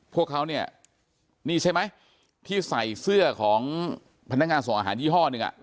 พวกเขาเนี่ยนี่ใช่ไหมที่ใส่เสื้อของพนักงานส่งอาหารยี่ห้อหนึ่งอ่ะ